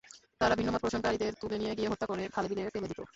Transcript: তারা ভিন্নমত পোষণকারীদের তুলে নিয়ে গিয়ে হত্যা করে খালে-বিলে ফেলে দিত।